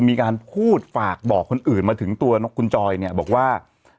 มีการพูดฝากบอกคนอื่นมาถึงตัวคุณจอยเนี่ยบอกว่า